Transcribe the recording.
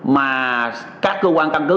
mà các cơ quan căn cứ